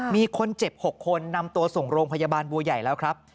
มีคนเจ็บ๖คนนำตัวส่งโรงพยาบาลบัวใหญ่แล้วครับ